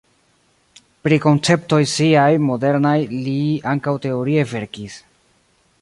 Pri konceptoj siaj modernaj li ankaŭ teorie verkis.